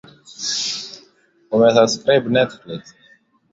sehemu za nchi hasa katika mazingira ya jimbo la Borno kuua wananchi